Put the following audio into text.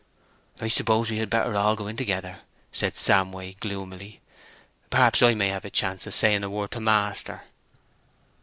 "I suppose we had better all go in together," said Samway, gloomily. "Perhaps I may have a chance of saying a word to master."